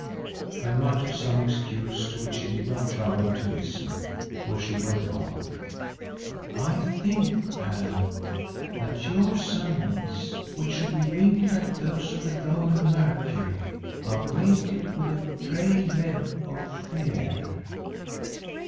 I muttered some excuse to which she did not trouble to listen, for she went on, "I think, Allan, that your sandals, which should be winged like to those of the Roman Mercury, are weighted with the grey lead of fear.